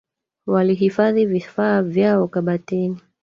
Walihifadhi vifaa vyao kabatini